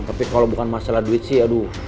tapi kalau bukan masalah duit sih aduh